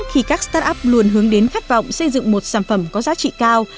khi các start up luôn hướng đến khát vọng xây dựng một sản phẩm có giá trị cao